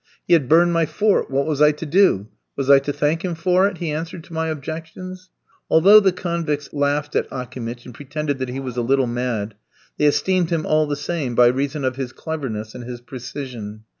"He had burned my fort; what was I to do? Was I to thank him for it?" he answered to my objections. Although the convicts laughed at Akimitch, and pretended that he was a little mad, they esteemed him all the same by reason of his cleverness and his precision.